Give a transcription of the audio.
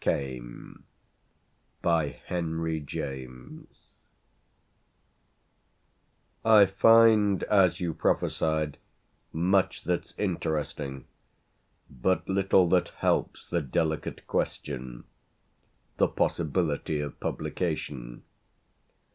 THE WAY IT CAME I find, as you prophesied, much that's interesting, but little that helps the delicate question the possibility of publication.